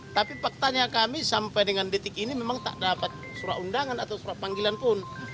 tapi faktanya kami sampai dengan detik ini memang tak dapat surat undangan atau surat panggilan pun